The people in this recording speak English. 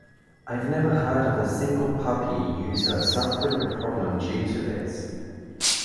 I've never heard of a single Puppy user suffering a problem due to this.